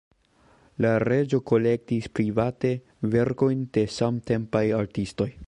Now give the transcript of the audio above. La reĝo kolektis private verkojn de samtempaj artistoj.